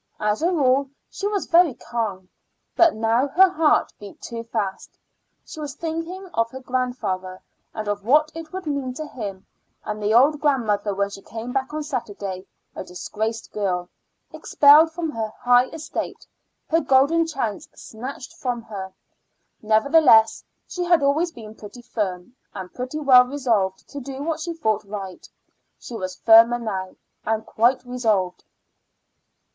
As a rule she was very calm, but now her heart beat too fast. She was thinking of her grandfather, and of what it would mean to him and the old grandmother when she came back on Saturday a disgraced girl, expelled from her high estate, her golden chance snatched from her. Nevertheless she had always been pretty firm, and pretty well resolved to do what she thought right. She was firmer now, and quite resolved.